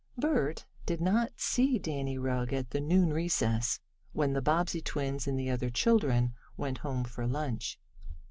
Bert did not see Danny Rugg at the noon recess, when the Bobbsey twins and the other children went home for lunch.